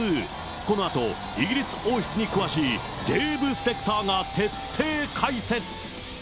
このあと、イギリス王室に詳しいデーブ・スペクターが徹底解説。